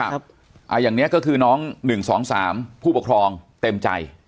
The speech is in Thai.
ค่ะอ่าอย่างเนี้ยก็คือน้องหนึ่งสองสามผู้ปกครองเต็มใจ